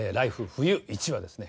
冬．１」はですね